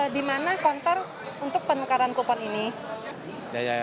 di mana konter untuk penukaran kupon ini